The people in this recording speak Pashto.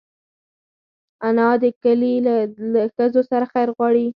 انا د کلي له ښځو سره خیر غواړي